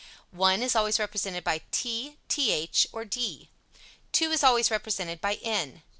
1 is always represented by t, th or d. 2 is always represented by n.